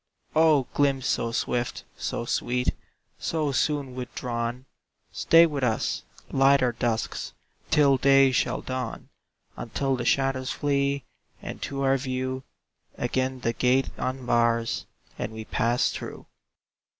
O glimpse so swift, so sweet, So soon withdrawn! Stay with us; light our dusks Till day shall dawn; Until the shadows flee, And to our view Again the gate unbars, And we pass through.